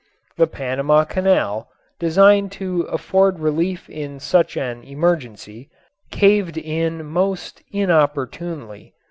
The Panama Canal, designed to afford relief in such an emergency, caved in most inopportunely.